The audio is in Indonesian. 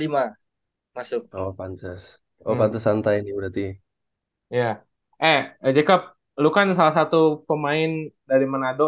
masuk sama pancas oh pancas santai nih berarti ya eh jacob lu kan salah satu pemain dari manado